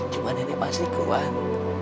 cuma nenek pasti kuat